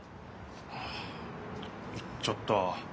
ああ行っちゃった。